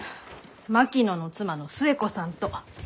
槙野の妻の寿恵子さんと。